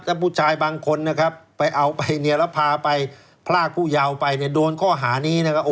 ถ้าผู้ชายบางคนอาจจะเอาไปเนียระภาพลาดผู้ยาวไปและโดนข้อหานี้